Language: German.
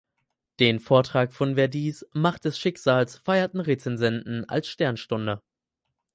Den Vortrag von Verdis "Macht des Schicksals" feierten Rezensenten als Sternstunde.